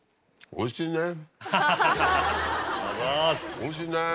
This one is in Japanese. おいしいね。